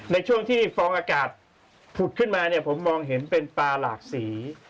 ในช่วงที่ฟองอากาศผุดขึ้นมาเนี่ยผมมองเห็นเป็นปลาหลากสี